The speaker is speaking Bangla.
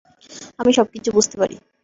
আমি সব কিছু বুঝতে পারি।